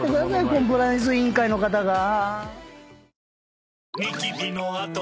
コンプライアンス委員会の方が。